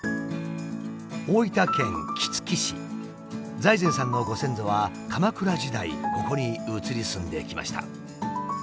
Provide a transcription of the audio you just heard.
財前さんのご先祖は鎌倉時代ここに移り住んできました。